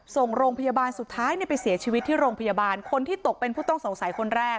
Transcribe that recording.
ส่งโรงพยาบาลสุดท้ายไปเสียชีวิตที่โรงพยาบาลคนที่ตกเป็นผู้ต้องสงสัยคนแรก